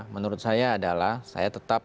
menurut saya adalah saya tetap